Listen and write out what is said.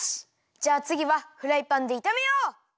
じゃあつぎはフライパンでいためよう！